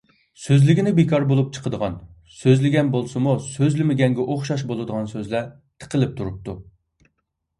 سۆزلىگىنى بىكار بولۇپ چىقىدىغان، سۆزلىگەن بولسىمۇ سۆزلىمىگەنگە ئوخشاش بولىدىغان سۆزلەر تىقىلىپ تۇرۇپتۇ.